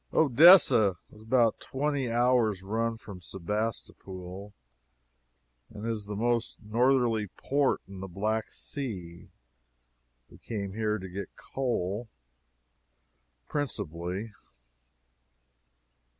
Odessa is about twenty hours' run from Sebastopol, and is the most northerly port in the Black Sea. We came here to get coal, principally.